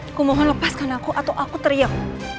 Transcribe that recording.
aku mohon lepaskan aku atau aku teriak